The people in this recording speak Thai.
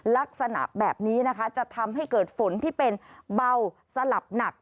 ลักษณะแบบนี้นะคะจะทำให้เกิดฝนที่เป็นเบาสลับหนัก